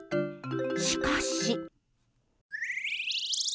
しかし。